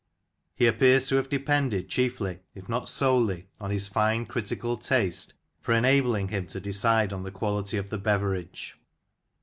He appears to have depended chiefly, if not solely, on his fine critical taste for enabling him to decide on the quality of the beverage.